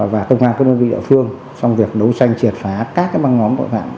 và công an công an viện đạo phương trong việc đấu tranh triệt phá các băng ngóm bội phạm